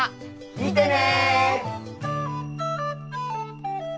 見てね！